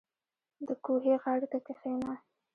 • د کوهي غاړې ته کښېنه.